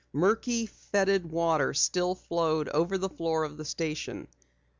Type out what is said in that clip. Murky, fetid water still flowed over the floor of the station.